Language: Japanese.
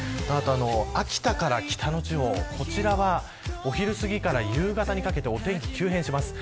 秋田から北の地方、こちらはお昼すぎから夕方にかけてお天気、急変します。